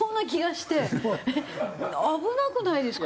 危なくないですか？